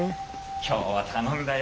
今日は頼んだよ。